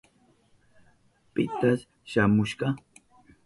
¿Pita shamushka?